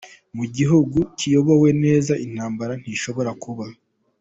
Mu gihugu kiyobowe neza intambara ntishobora kuba